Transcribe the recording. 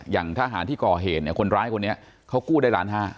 อย่างทหารที่ก่อเหตุเนี่ยคนร้ายคนนี้เขากู้ได้ล้านห้า